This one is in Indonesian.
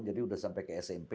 jadi sudah sampai ke smp